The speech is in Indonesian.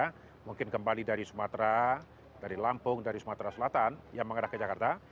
mungkin dari merak ya mungkin kembali dari sumatera dari lampung dari sumatera selatan yang mengarah ke jakarta